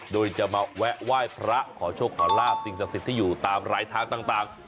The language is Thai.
โดยจะมาแวะไหว้พระขอโชคขอลาบสิ่งศักดิ์สิทธิ์ที่อยู่ตามรายทางต่าง